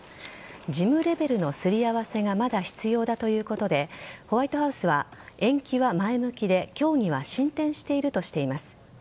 事務レベルのすり合わせがまだ必要だということでホワイトハウスは延期は前向きで協議は進展しているとしています。